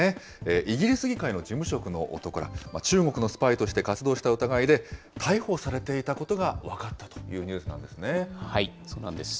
イギリス議会の事務職の男ら、中国のスパイとして活動した疑いで逮捕されていたことが分かそうなんです。